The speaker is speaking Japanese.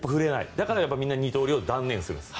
だからみんな二刀流を断念するんです。